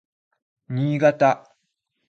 Niigata